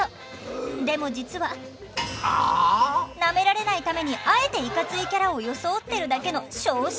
でも実はなめられないためにあえていかついキャラを装ってるだけの小心者。